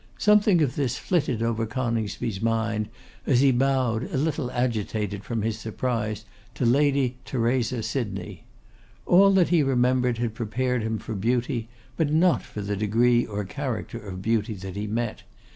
Something of this flitted over Coningsby's mind, as he bowed, a little agitated from his surprise, to Lady Theresa Sydney. All that he remembered had prepared him for beauty; but not for the degree or character of beauty that he met.